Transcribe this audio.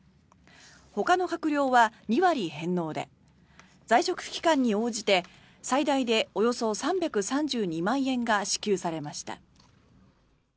ほかの閣僚は２割返納で在職期間に応じて最大でおよそ３３２万円が支給されました。